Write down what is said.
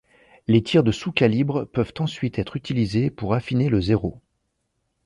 Les tirs de sous-calibre peuvent ensuite être utilisés pour affiner le zéro.